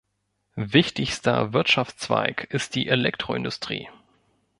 Wichtigster Wirtschaftszweig ist die Elektroindustrie.